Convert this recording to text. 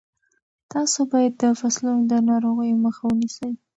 تاسو باید د فصلونو د ناروغیو مخه ونیسئ.